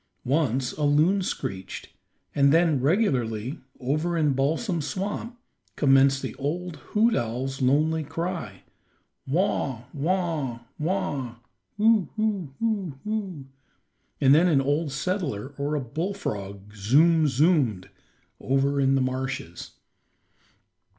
Once a loon screeched, and then regularly, over in Balsam Swamp, commenced the old hoot owl's lonely cry, "Waugh, waugh, waugh, hu, hu hu, hu," and then an old settler or a bullfrog "zoom, zoom'd," over in the marshes.